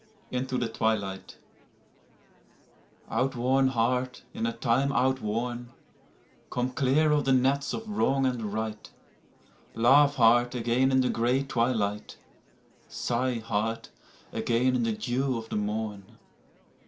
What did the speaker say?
INTO THE TWILIGHT Out worn heart, in a time out worn, Come clear of the nets of wrong and right; Laugh heart again in the gray twilight, Sigh, heart, again in the dew of the morn.